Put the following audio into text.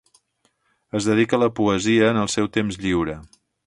Es dedica a la poesia en el seu temps lliure.